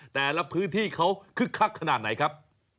แต่ละพื้นที่เขาคึกคักขนาดไหนครับ